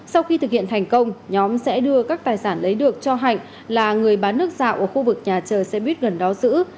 sau khi thực hiện thành công nhóm sẽ đưa các tài sản lấy được cho hạnh là người bán nước dạo ở khu vực nhà chờ xe buýt gần đó giữ